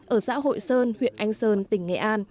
ở xã hội sơn huyện anh sơn tỉnh nghệ an